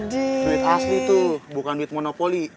duit asli tuh bukan duit monopoli